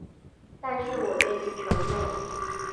但是我願意承諾